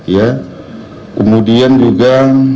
ya kemudian juga